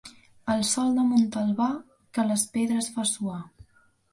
El sol de Montalbà, que les pedres fa suar.